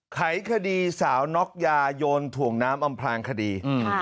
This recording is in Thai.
ไขคดีสาวน็อกยายนถ่วงน้ำอำพลางคดี